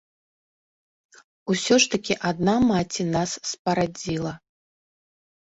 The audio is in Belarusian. Усё ж такі адна маці нас спарадзіла.